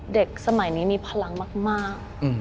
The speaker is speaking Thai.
สมัยนี้มีพลังมาก